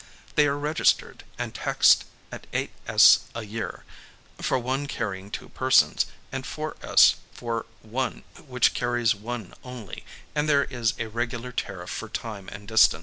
They are registered and taxed at 8s. a year for one carrying two persons, and 4s. for one which carries one only, and there is a regular tariff for time and distance.